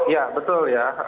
ya betul ya